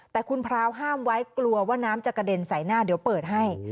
แต่คุณพร้าวห้ามไว้กลัวว่าน้ำจะกระเด็นใส่หน้าเดี๋ยวเปิดให้